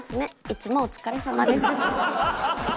いつもお疲れさまです。